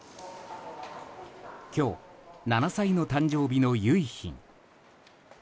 今日、７歳の誕生日の結浜。